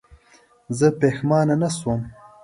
زه پښېمانه نه شوم.